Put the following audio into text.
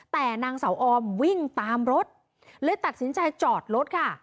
แต่นางเสาออมวิ่งตามรถเลยตัดสินใจจอดรถค่ะ